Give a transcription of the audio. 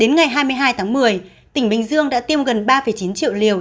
đến ngày hai mươi hai tháng một mươi tp hcm đã tiêm gần ba chín triệu liều